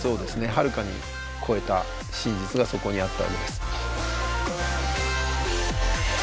はるかに超えた真実がそこにあったわけです。